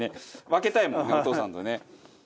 分けたいもんねお父さんとね。